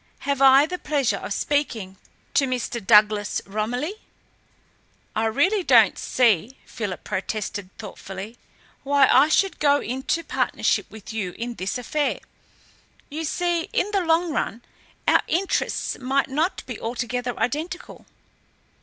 Have I the pleasure of speaking to Mr. Douglas Romilly?" "I really don't see," Philip protested thoughtfully, "why I should go into partnership with you in this affair. You see, in the long run, our interests might not be altogether identical."